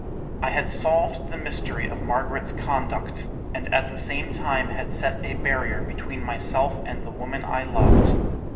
I had solved the mystery of Margaret's conduct, and at the same time had set a barrier between myself and the woman I loved.